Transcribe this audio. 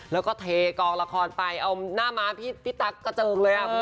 แล้วก็เทกองละครไปเอาหน้าม้าพี่ตั๊กกระเจิงเลย